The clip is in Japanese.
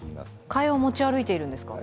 替えを持ち歩いているんですか。